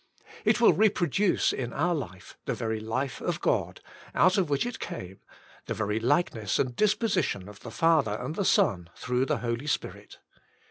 '' It will re produce in our life the very life of God, out of which it came, the very likeness and disposition of the Father and the Son through the Holy Spirit.